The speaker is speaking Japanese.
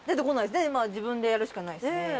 自分でやるしかないですね。